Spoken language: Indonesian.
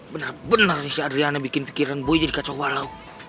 bener bener nih si adriana bikin pikiran boy jadi kacau balau